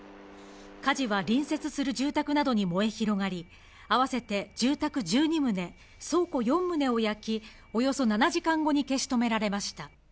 火事は隣接する住宅などに燃え広がり、あわせて住宅１２棟、倉庫４棟を焼き、およそ７時間後に消し止められました。